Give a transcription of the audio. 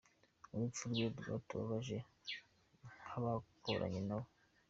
Urupfu rwe rwatubabaje nk’abakoranye na we.